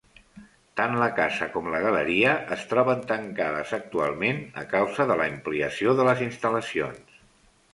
Tant la casa com la galeria es troben tancades actualment a causa de l'ampliació de les instal·lacions.